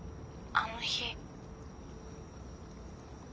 あの日？